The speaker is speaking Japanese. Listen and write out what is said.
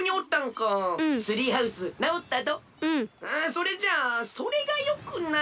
それじゃそれがよくない。